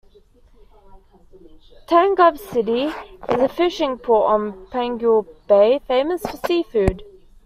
Tangub City is a fishing port on Panguil Bay famous for seafood.